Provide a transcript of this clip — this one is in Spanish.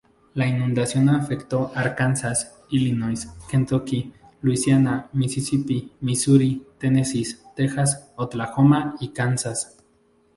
La inundación afectó Arkansas, Illinois, Kentucky, Louisiana, Misisipi, Missouri, Tennessee, Texas, Oklahoma y Kansas.